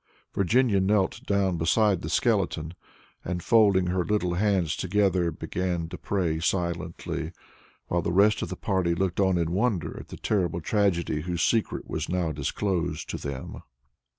Virginia knelt down beside the skeleton, and, folding her little hands together, began to pray silently, while the rest of the party looked on in wonder at the terrible tragedy whose secret was now disclosed to them.